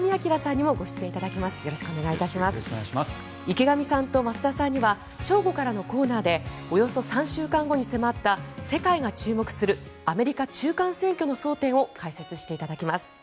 池上さんと増田さんには正午からのコーナーでおよそ３週間後に迫った世界が注目するアメリカ中間選挙の争点を解説していただきます。